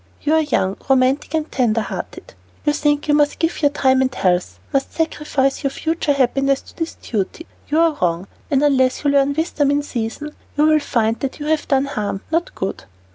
You are young, romantic, and tender hearted. You think you must give your time and health, must sacrifice your future happiness to this duty. You are wrong, and unless you learn wisdom in season, you will find that you have done harm, not good."